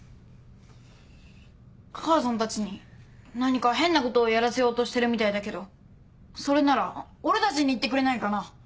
母さんたちに何か変なことをやらせようとしてるみたいだけどそれなら俺たちに言ってくれないかな？